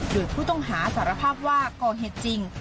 โดยผู้ต้องหาสารภาพว่าก่อเหตุจริง